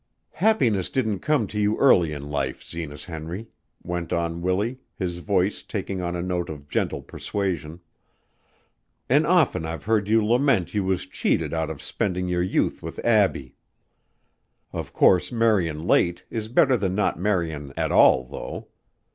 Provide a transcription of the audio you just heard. "Happiness didn't come to you early in life, Zenas Henry," went on Willie, his voice taking on a note of gentle persuasion, "an' often I've heard you lament you was cheated out of spendin' your youth with Abbie. Of course, marryin' late is better than not marryin' at all, though.